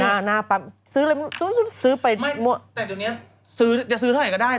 แต่ตอนนี้จะซื้อเท่าไหร่ก็ได้